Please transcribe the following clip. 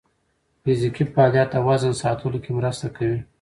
فزیکي فعالیت د وزن ساتلو کې مرسته کوي.